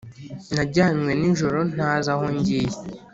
najyanywe nijoro ntazi aho ngiye